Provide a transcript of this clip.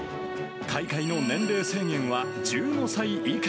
大会の年齢制限は１５歳以下。